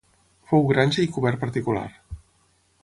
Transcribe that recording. Fou granja i cobert particular.